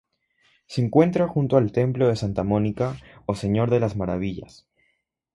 Se encuentra junto al templo de Santa Mónica o Señor de las Maravillas.